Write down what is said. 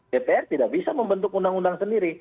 dpr tidak bisa membentuk undang undang sendiri